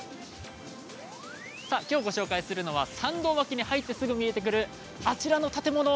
きょう、ご紹介するのは参道脇に入ってすぐ見えてくるあちらの建物。